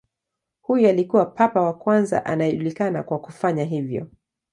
Huyu alikuwa papa wa kwanza anayejulikana kwa kufanya hivyo.